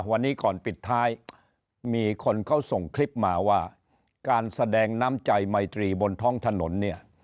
วันนี้ก่อนปิดท้ายมีคนเขาส่งคลิปมาว่าการแสดงน้ำใจไมตรีบนท้องถนนเนี่ย